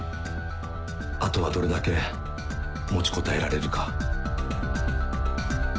あとはどれだけ持ちこたえられるか。